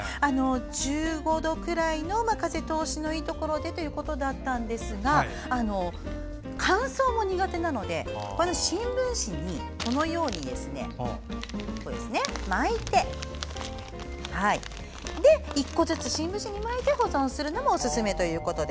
１５度くらいの風通しのいいところでということだったんですが乾燥も苦手なのでこのように新聞紙に巻いて１個ずつ新聞紙に巻いて保存するのもおすすめということで。